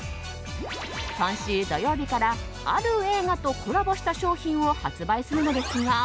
今週土曜日からある映画とコラボした商品を発売するのですが。